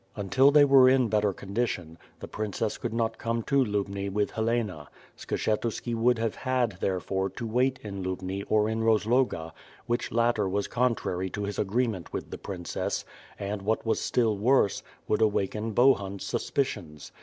Until they were in better condition, the princess could not come to Lubni with Helena. Skshetuski would have had, therefore, to wait in Lubni or in Rozloga, which latter was contrary to his agreement with the princess — and what was still worse, would awaken Bohun's suspicions.